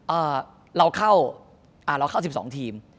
เอ่อเราเข้าเราเข้า๑๒ทีม